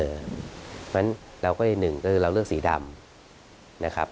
เพราะฉะนั้นเราก็อีกหนึ่งก็คือเราเลือกสีดำนะครับ